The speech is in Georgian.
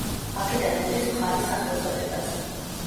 აქედან მოდის მხარის სახელწოდებაც.